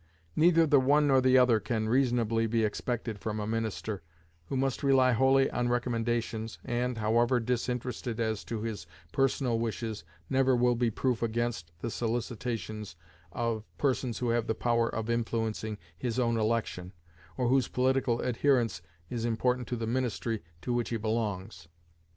Neither the one nor the other can reasonably be expected from a minister, who must rely wholly on recommendations, and, however disinterested as to his personal wishes, never will be proof against the solicitations of persons who have the power of influencing his own election, or whose political adherence is important to the ministry to which he belongs.